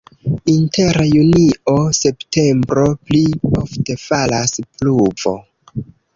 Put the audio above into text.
Inter junio-septembro pli ofte falas pluvo.